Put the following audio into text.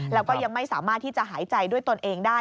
แล้วก็ยังไม่สามารถที่จะหายใจด้วยตนเองได้